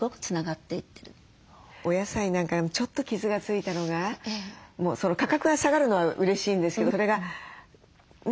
お野菜なんかちょっと傷が付いたのが価格が下がるのはうれしいんですけどそれがね